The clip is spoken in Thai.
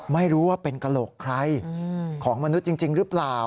ไม่รู้ว่าเป็นกระโหลกใครของมนุษย์จริงหรือเปล่า